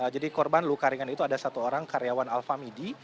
jadi korban luka luka itu ada satu orang karyawan alfa midi